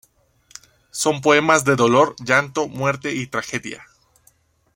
Son poemas de dolor, llanto, muerte y tragedia.